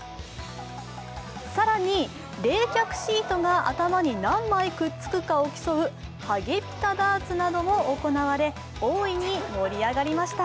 更に、冷却シートが頭に何枚くっつくかを競うハゲピタダーツなども行われ大いに盛り上がりました。